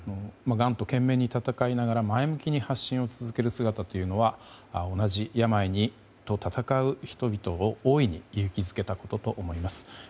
がんと懸命に闘いながら前向きに発信を続ける姿は同じ病と闘う人々を大いに勇気づけたことと思います。